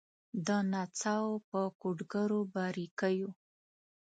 د نڅاوو په کوډګرو باریکېو